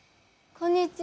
こんにちは。